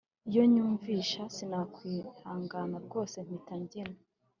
Iyo nyumvisha sinakwihangana rwose mpita mbyina